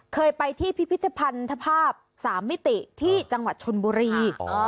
เคยไปที่พิพิธภัณฑภาพ๓มิติที่จังหวัดชนบุรี